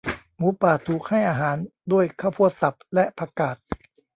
หมูป่าถูกให้อาหารด้วยข้าวโพดสับและ ผักกาด